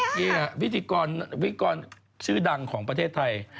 นี่แหละพิธีกรวิกรชื่อดังของประเทศไทย